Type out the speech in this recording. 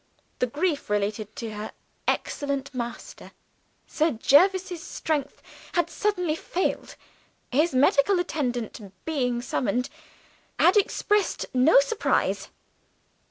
The grief related to her "excellent master." Sir Jervis's strength had suddenly failed. His medical attendant, being summoned, had expressed no surprise.